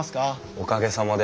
おかげさまで。